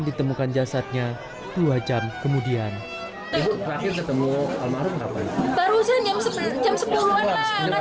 ditemukan jasadnya dua jam kemudian ketemu almarhum apa itu barusan yang sebelumnya